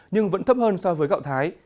nhưng vẫn thấp hơn so với gạo thái